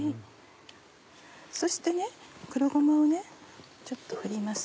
そして黒ごまをちょっと振ります。